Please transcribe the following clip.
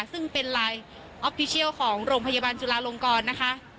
ซึ่งเป็นไลน์ของโรงพยาบาลจุลาลงกรนะคะ